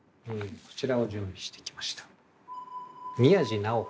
こちらを準備してきました。